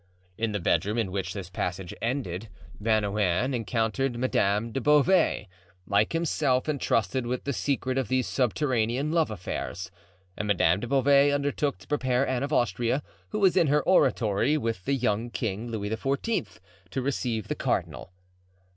In the bedroom in which this passage ended, Bernouin encountered Madame de Beauvais, like himself intrusted with the secret of these subterranean love affairs; and Madame de Beauvais undertook to prepare Anne of Austria, who was in her oratory with the young king, Louis XIV., to receive the cardinal.